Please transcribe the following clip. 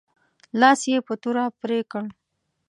لاس یې په توره پرې کړ.